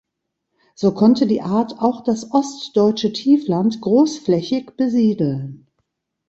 So konnte die Art auch das ostdeutsche Tiefland großflächig besiedeln.